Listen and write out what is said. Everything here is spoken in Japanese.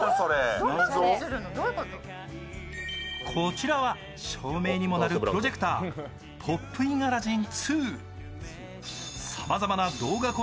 こちらは、照明にもなるプロジェクター、ポップインアラジン２。